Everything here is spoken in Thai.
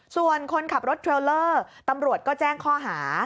ส่วนคนขับรถเทรลเลอร์ตำรวจก็แจ้งข้อหา